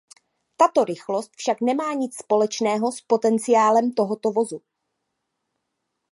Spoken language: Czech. Tato rychlost však nemá nic společného s potenciálem tohoto vozu.